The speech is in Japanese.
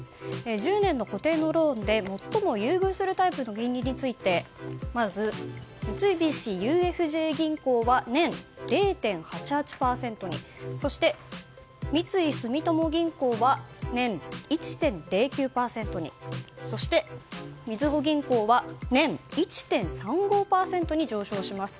１０年の固定のローンで最も優遇するタイプの金利について三菱ＵＦＪ銀行は年０．８８％にそして、三井住友銀行は年１．０９％にそして、みずほ銀行は年１．３５％に上昇します。